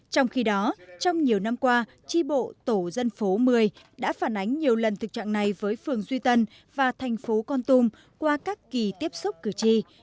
trong khi đó trong nhiều năm qua tri bộ tổ dân phố một mươi đã phản ánh nhiều lần thực trạng này với phường duy tân và thành phố con tum qua các kỳ tiếp xúc cử tri